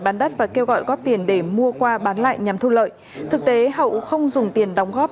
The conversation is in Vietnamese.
bán đất và kêu gọi góp tiền để mua qua bán lại nhằm thu lợi thực tế hậu không dùng tiền đóng góp